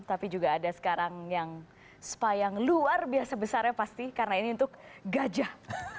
tapi juga ada sekarang yang spa yang luar biasa besarnya pasti karena ini untuk gajah